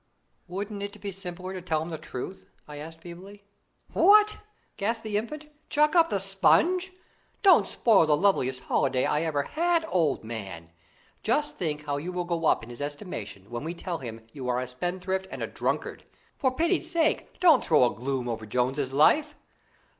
"Wouldn't it be simpler to tell him the truth?" I asked feebly. "What!" gasped the Infant, "chuck up the sponge? Don't spoil the loveliest holiday I ever had, old man. Just think how you will go up in his estimation, when we tell him you are a spendthrift and a drunkard! For pity's sake, don't throw a gloom over Jones's life."